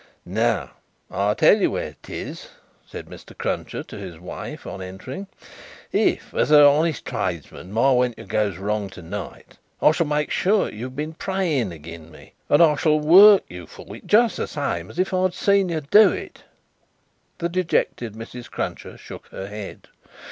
"Now, I tell you where it is!" said Mr. Cruncher to his wife, on entering. "If, as a honest tradesman, my wenturs goes wrong to night, I shall make sure that you've been praying again me, and I shall work you for it just the same as if I seen you do it." The dejected Mrs. Cruncher shook her head.